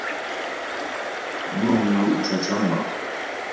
Nwə́ mlú' cəcə̂ mònə̀ŋ.